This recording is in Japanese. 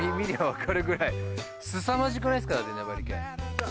すさまじくないですか粘り気。